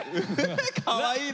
かわいいな。